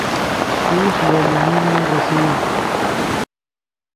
پیش لے لیمونن ریسئے